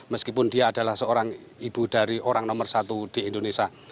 meskipun dia adalah seorang ibu dari orang nomor satu di indonesia